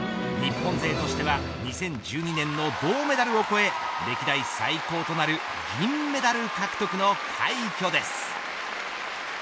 日本勢としては２０１２年の銅メダルを超え歴代最高となる銀メダルの獲得の快挙です。